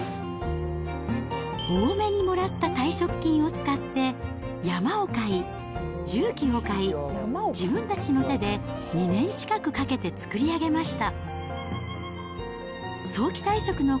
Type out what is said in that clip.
多めにもらった退職金を使って、山を買い、重機を買い、自分たちの手で、２年近くかけて作り上げました。